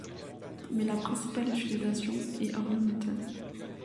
Mais la principale utilisation est ornementale.